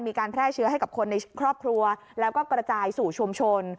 มีการแพร่เชื้อให้กับคนในครอบครัวแล้วก็กระจายสู่ชุมชน